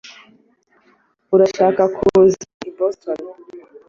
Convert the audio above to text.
Urashaka kuza i Boston?